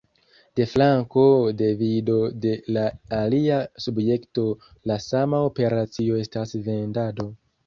De flanko de vido de la alia subjekto la sama operacio estas vendado.